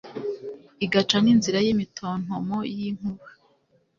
igaca n'inzira y'imitontomo y'inkuba